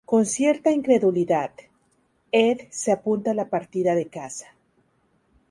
Con cierta incredulidad, Ed se apunta a la partida de caza.